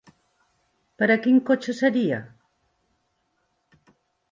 Per a quin cotxe seria?